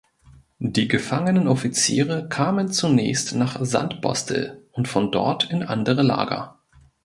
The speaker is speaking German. Die gefangenen Offiziere kamen zunächst nach Sandbostel und von dort in andere Lager.